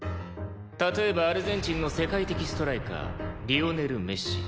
例えばアルゼンチンの世界的ストライカーリオネル・メッシ。